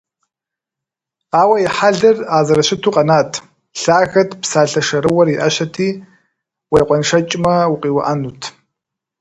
Ауэ и хьэлыр а зэрыщыту къэнат: лъагэт, псалъэ шэрыуэр и Ӏэщэти, уекъуэншэкӀмэ, «укъиуӀэнут».